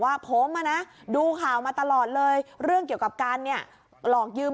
ว่าผมอ่ะนะดูข่าวมาตลอดเลยเรื่องเกี่ยวกับการเนี่ยหลอกยืม